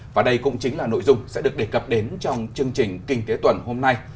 và đây cũng chính là nội dung sẽ được đề cập đến trong chương trình kinh tế tuần hôm nay